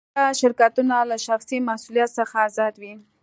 دا شرکتونه له شخصي مسوولیت څخه آزاد وي.